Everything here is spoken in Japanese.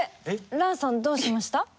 ランさんどうしました？